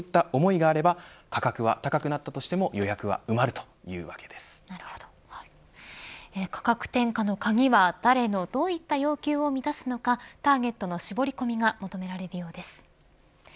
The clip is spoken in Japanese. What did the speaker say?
まさにこの部屋が自分のためにあるそういった思いがあれば価格は高くなったとしても価格転嫁の鍵は、誰のどういった要求を満たすのかターゲットの絞り込みが求められるようです。